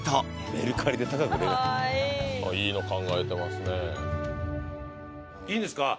「メルカリで高く」いいの考えてますねいいんですか？